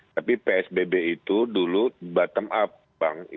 tapi psbb itu dulu bottom up bang